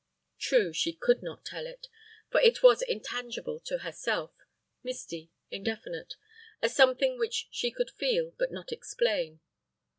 True, she could not tell it; for it was intangible to herself misty, indefinite a something which she could feel, but not explain.